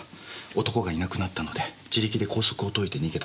男がいなくなったので自力で拘束を解いて逃げたそうです。